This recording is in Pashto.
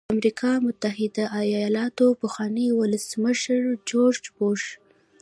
د امریکا متحده ایالاتو پخواني ولسمشر جورج بوش.